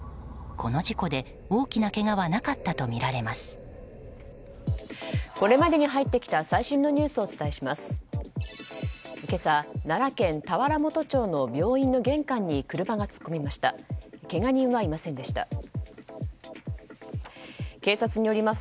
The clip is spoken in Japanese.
これまでに入ってきた最新のニュースです。